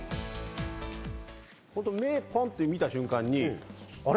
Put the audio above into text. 本当、目をぽんって見た瞬間に、あれ？